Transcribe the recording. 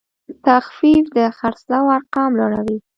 تخفیف د خرڅلاو ارقام لوړوي.